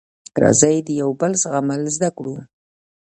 راځی د یوبل زغمل زده کړو